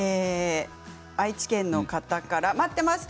愛知県の方から待ってました。